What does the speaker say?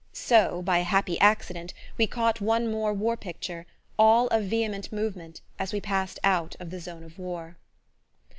So, by a happy accident, we caught one more war picture, all of vehement movement, as we passed out of the zone of war.